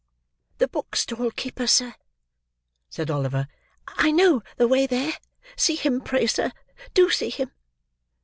"The book stall keeper, sir?" said Oliver. "I know the way there. See him, pray, sir! Do see him!"